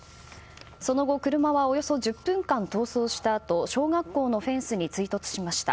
その後、車はおよそ１０分間逃走したあと小学校のフェンスに追突しました。